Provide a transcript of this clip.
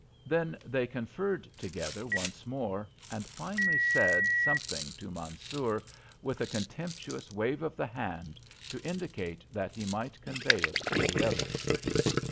Then they conferred together once more, and finally said something to Mansoor, with a contemptuous wave of the hand to indicate that he might convey it to the others.